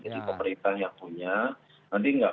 pemerintah yang punya nanti nggak